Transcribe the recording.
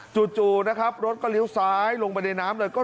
จู่รถก็ลิ้วซ้ายลงมาในน้ำเลย